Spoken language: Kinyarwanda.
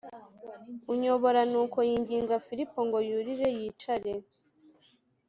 unyobora Nuko yinginga Filipo ngo yurire yicarane